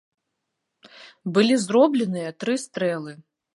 Былі зробленыя тры стрэлы.